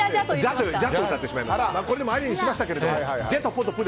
これでもありにしましたが。